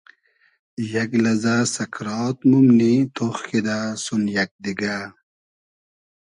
یئگ لئزۂ سئکرات مومنی تۉخ کیدۂ سون یئگ دیگۂ